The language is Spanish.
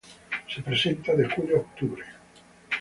Se presenta de julio a octubre.